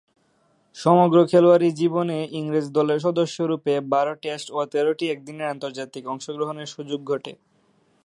সমগ্র খেলোয়াড়ী জীবনে ইংরেজ দলের সদস্যরূপে বারো টেস্ট ও তেরোটি একদিনের আন্তর্জাতিকে অংশগ্রহণের সুযোগ ঘটে।